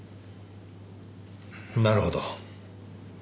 なるほど。